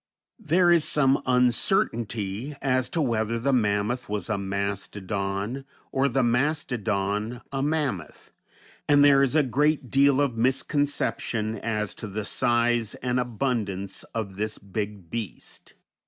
There is some uncertainty as to whether the mammoth was a mastodon, or the mastodon a mammoth, and there is a great deal of misconception as to the size and abundance of this big beast.